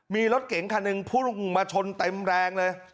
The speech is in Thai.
มีรถเก๋งคันหนึ่งพุ่งมาชนเต็มแรงเลย